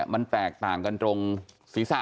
มันแตกต่างกันตรงศีรษะ